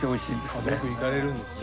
よく行かれるんですね。